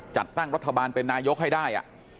จัดตั้งรัฐบาลเป็นนายกให้ได้